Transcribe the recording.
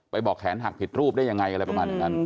ไปบอกแขนหักผิดรูปได้อย่างไรอะไรประมาณเหมือนกัน